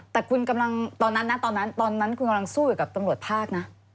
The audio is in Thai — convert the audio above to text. แต่คุณกำลังตอนนั้นนะตอนนั้นตอนนั้นคุณกำลังสู้อยู่กับตำรวจภาคนะ